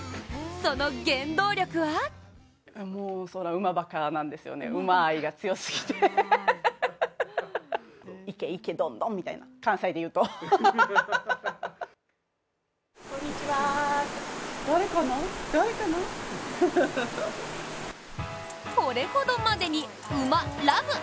その原動力はこれほどまでに「馬ＬＯＶＥ！」